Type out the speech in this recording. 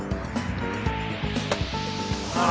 あ。